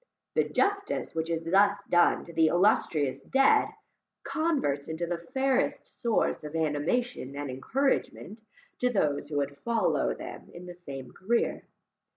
The justice which is thus done to the illustrious dead, converts into the fairest source of animation and encouragement to those who would follow them in the same carreer.